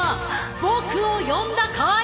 僕を呼んだかい？